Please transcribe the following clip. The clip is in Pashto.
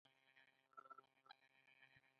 خلک له بې وزلو سره مرسته کوي.